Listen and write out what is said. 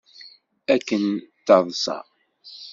Akken d taḍsa!